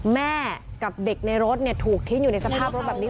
แม่กับเด็กในรถถูกทิ้งอยู่ในสภาพรถแบบนี้